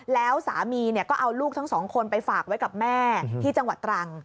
แล้วสามีก็เอาลูกทั้งสองคนไปฝากไว้กับแม่ที่จังหวัดตรัง